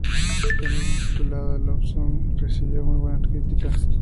El álbum, titulado "A Love Song", recibió muy buenas críticas.